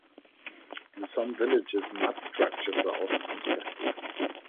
In some villages mud structures are also constructed.